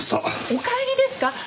お帰りですか！？